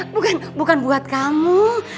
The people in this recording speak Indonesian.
bukan bukan buat kamu